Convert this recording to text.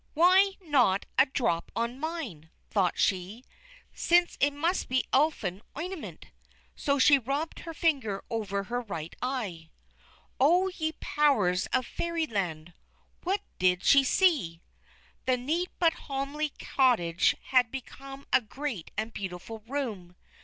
"Why not a drop on mine," thought she, "since it must be Elfin ointment." So she rubbed her finger over her right eye. O ye powers of Fairyland! What did she see! The neat but homely cottage had become a great and beautiful room.